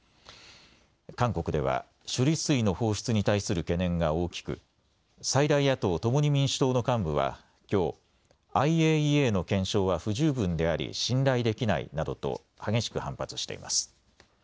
韓国では処理水の放出に対する懸念が大きく最大野党・共に民主党の幹部はきょう、ＩＡＥＡの検証は不十分であり信頼できないなどと激しく反発しています。